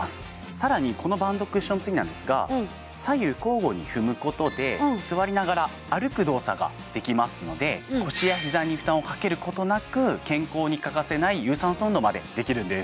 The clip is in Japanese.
さらにこのバウンドクッションツインなんですが左右交互に踏むことで座りながら歩く動作ができますので腰や膝に負担をかけることなく健康に欠かせない有酸素運動までできるんです